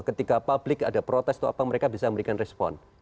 ketika publik ada protes atau apa mereka bisa memberikan respon